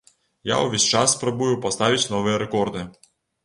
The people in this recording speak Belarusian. Я ўвесь час спрабую паставіць новыя рэкорды.